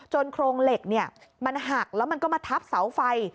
โครงเหล็กมันหักแล้วมันก็มาทับเสาไฟ